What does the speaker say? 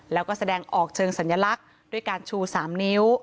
แล้วก็แสดงออกเชิงสัญลักษณ์ด้วยการชู๓นิ้ว